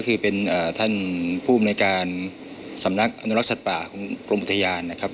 มีการที่จะพยายามติดศิลป์บ่นเจ้าพระงานนะครับ